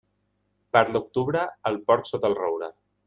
Per l'octubre, el porc sota el roure.